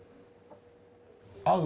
合う？